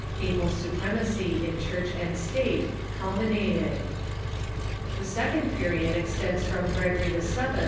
Papal supremacy in Church and State culminated. The second period extends from Gregory VII.